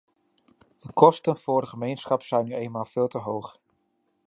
De kosten voor de gemeenschap zijn nu eenmaal veel te hoog.